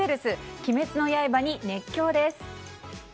「鬼滅の刃」に熱狂です。